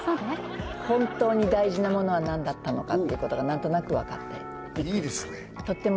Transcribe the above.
本当に大事なものは何だったのかっていうことが何となくわかっていく